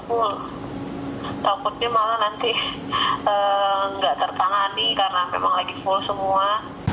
wow takutnya malah nanti nggak tertangani karena memang lagi full semua